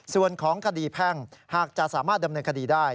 ส่วนของคดีแพ่งหากจะสามารถดำเนินคดีได้